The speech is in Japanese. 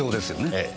ええ。